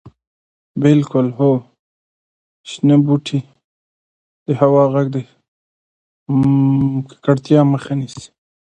شنه بوټي د هوا او غږ د ککړتیا مخه نیسي.